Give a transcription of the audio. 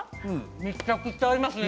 めちゃくちゃ合いますね